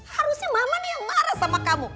harusnya mama nih yang marah sama kamu